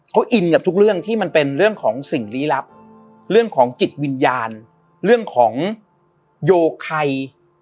เขาอินกับทุกเรื่องที่มันเป็นเรื่องของสิ่งลี้ลับเรื่องของจิตวิญญาณเรื่องของโยไค